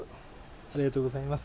ありがとうございます。